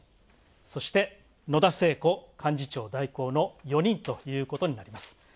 そして、野田聖子幹事長代行の４人ということになります。